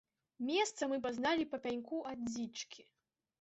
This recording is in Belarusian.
Месца мы пазналі па пяньку ад дзічкі.